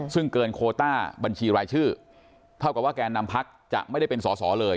ซึ่งเกินโคต้าบัญชีรายชื่อเท่ากับว่าแกนนำพักจะไม่ได้เป็นสอสอเลย